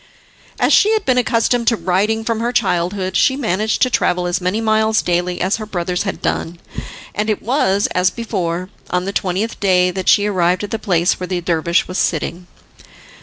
As she had been accustomed to riding from her childhood, she managed to travel as many miles daily as her brothers had done, and it was, as before, on the twentieth day that she arrived at the place where the dervish was sitting.